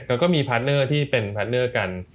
เพราะมีเพื่อนที่เป็นเพื่อนเก่า